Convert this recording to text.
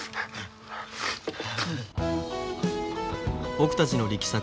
僕たちの力作